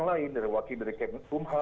wakil dari kpm wakil dari kpm agung